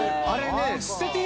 「あれね」